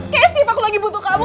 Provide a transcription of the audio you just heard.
kayaknya setiap aku lagi butuh kamu